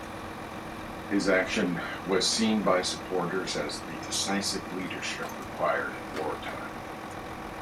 His action were seen by supporters as the decisive leadership required in wartime.